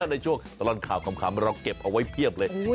ในช่วงตลอดข่าวขำเราเก็บเอาไว้เพียบเลย